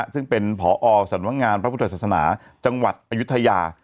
ซึ่งเป็นผอสำนักงานพระพุทธศาสนาจังหวัดอายุทยา